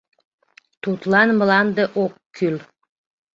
Тудлан мланде ок кӱл.